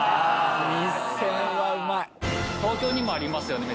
東京にもありますよね